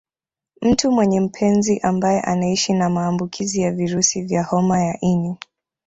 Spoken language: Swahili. Mtu mwenye mpenzi ambaye anaishi na maambukizi ya virusi vya homa ya ini